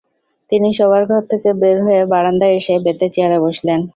তিনি শোবার ঘর থেকে বের হয়ে বারান্দায় এসে বেতের চেয়ারে বসলেন।